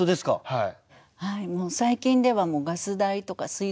はい。